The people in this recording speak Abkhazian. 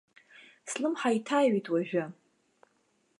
Слымҳа иҭаҩит уажәы.